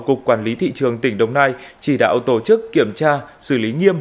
cục quản lý thị trường tỉnh đồng nai chỉ đạo tổ chức kiểm tra xử lý nghiêm